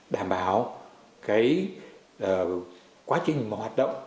đảm bảo quá trình hoạt động